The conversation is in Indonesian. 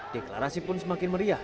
deklarasi pun semakin meriah